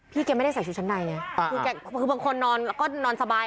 พี่แกไม่ได้ใส่ชุดชั้นในคือบางคนนอนแล้วก็นอนสบาย